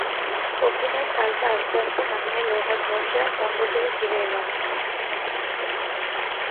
কফিনের ডালটা আস্তে আস্তে নামিয়ে লোহার দরজা বন্ধ করে ফিরে এলাম।